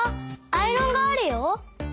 アイロンがあるよ！